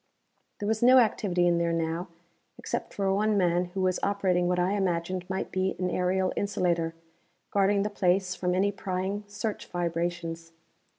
There was no activity in there now, except for one man who was operating what I imagined might be an aerial insulator, guarding the place from any prying search vibrations.